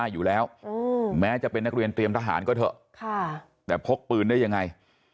อยู่แล้วแม้จะเป็นนักเรียนเตรียมทหารก็เถอะแต่พกปืนได้ยังไง